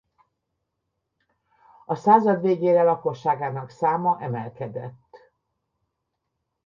A század végére lakosságának száma emelkedett.